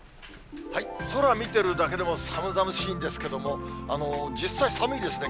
空見てるだけでも寒々しいんですけれども、実際、寒いですね。